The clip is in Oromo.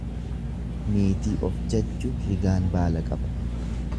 Niitii of jajju rigaan baala qaba.